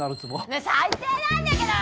ねえ最低なんだけど！